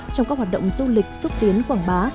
trong các hoạt động du lịch xúc tiến quảng bá